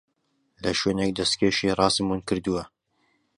لە شوێنێک دەستکێشی ڕاستم ون کردووە.